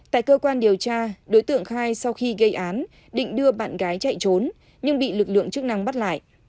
tại cơ quan điều tra đối tượng khai sau khi gây án định đưa bạn gái chạy trốn nhưng bị lực lượng chức năng bắt lại